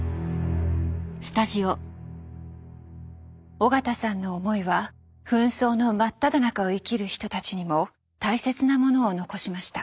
緒方さんの思いは紛争の真っただ中を生きる人たちにも大切なものを残しました。